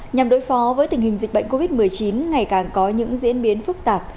nhằm đối phó với tình hình dịch bệnh covid một mươi chín ngày càng có những diễn biến phức tạp